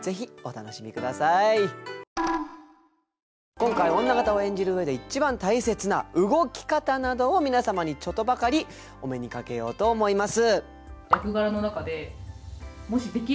今回女方を演じる上で一番大切な動き方などを皆様にちょっとばかりお目にかけようと思います。